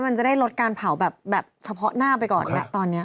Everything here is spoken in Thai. มันจะได้ลดการเผาแบบเฉพาะหน้าไปก่อนนะตอนนี้